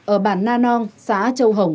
ở bản na nong xã châu hồng